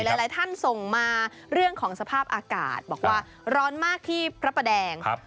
หลายท่านส่งมาเรื่องของสภาพอากาศบอกว่าร้อนมากที่พระประแดง